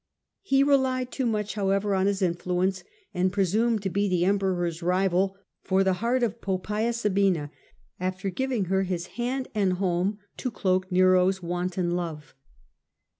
He relied too much, however, on his influence, and presumed to be the Emperor's rival for the heart of Poppaea Sabina, after giving her his hand and home to cloak Nero's wanton love.